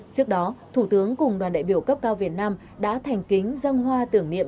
trước đó thủ tướng cùng đoàn đại biểu cấp cao việt nam đã thành kính dân hoa tưởng niệm